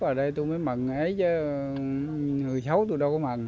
ở đây tôi mới mận ấy chứ người xấu tôi đâu có mận